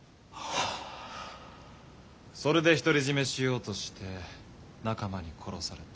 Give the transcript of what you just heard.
それで独り占めしようとして仲間に殺された。